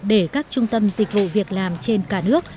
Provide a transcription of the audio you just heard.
để các trung tâm dịch vụ việc làm trên cả nước